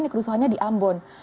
ini kerusuhannya di ambon